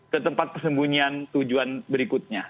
ke tempat persembunyian tujuan berikutnya